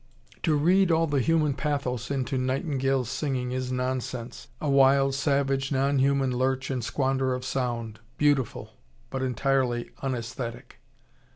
To read all the human pathos into nightingales' singing is nonsense. A wild, savage, non human lurch and squander of sound, beautiful, but entirely unaesthetic.